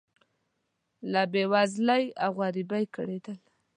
له بې وزلۍ او غریبۍ کړېدل.